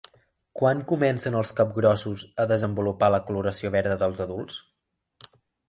Quan comencen els capgrossos a desenvolupar la coloració verda dels adults?